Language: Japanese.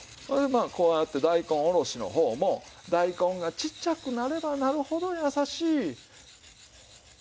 それでまあこうやって大根おろしの方も大根がちっちゃくなればなるほど優しい。